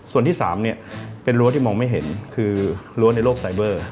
ส่วนที่๓เป็นรั้วที่มองไม่เห็นคือรั้วในโลกไซเบอร์